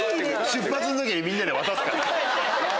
出発の時にみんなに渡すから。